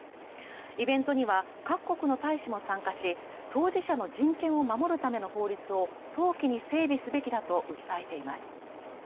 イベントには各国の大使も参加し、当事者の人権を守るための法律を早期に整備すべきだと訴えています。